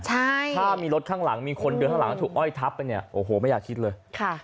ถ้ามีรถข้างหลังมีคนเดินข้างหลังถูกอ้อยทับไปเนี่ยโอ้โหไม่อยากคิดเลย